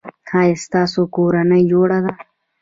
ایا ستاسو کورنۍ جوړه ده؟